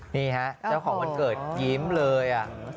นี่ฮะเจ้าของวันเกิดยิ้มเลย